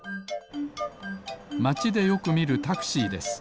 まちでよくみるタクシーです。